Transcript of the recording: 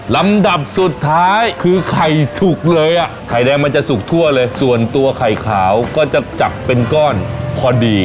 ลำดับสุดท้ายคือไข่สุกเลยอ่ะไข่แดงมันจะสุกทั่วเลยส่วนตัวไข่ขาวก็จะจับเป็นก้อนพอดี